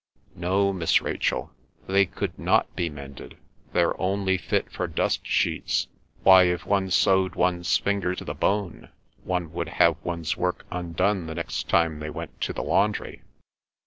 ... No, Miss Rachel, they could not be mended; they're only fit for dust sheets. Why, if one sewed one's finger to the bone, one would have one's work undone the next time they went to the laundry."